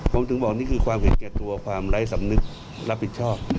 ผมถึงบอกนี่คือความเห็นแก่ตัวความไร้สำนึกรับผิดชอบ